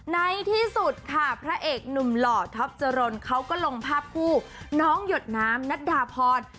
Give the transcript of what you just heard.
ในที่สุดค่ะพระเอกหนุ่มหล่อท็อปจรนเขาก็ลงภาพคู่น้องหยดน้ำนัดดาพร